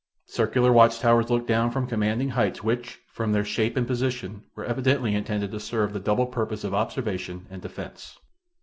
Circular watch towers look down from commanding heights which, from their shape and position, were evidently intended to serve the double purpose of observation and defense.